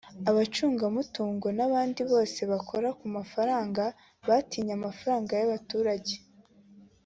abacungamutungo n’abandi bose bakora ku mafaranga batinye amafaranga y’abaturage